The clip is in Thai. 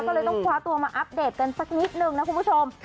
ก็เลยต้องคว้าตัวมาอัปเดตกันสักนิดนึงนะคุณผู้ชม